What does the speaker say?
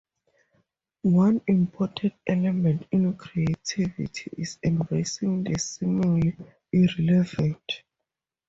One important element in creativity is embracing the seemingly irrelevant.